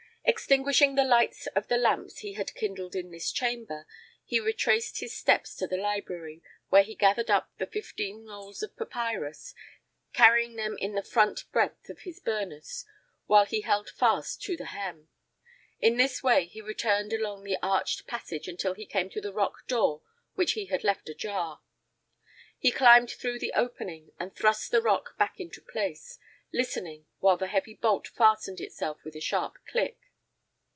Extinguishing the lights of the lamps he had kindled in this chamber, he retraced his steps to the library, where he gathered up the fifteen rolls of papyrus, carrying them in the front breadth of his burnous while he held fast to the hem. In this way he returned along the arched passage until he came to the rock door which he had left ajar. He climbed through the opening and thrust the rock back into place, listening while the heavy bolt fastened itself with a sharp click.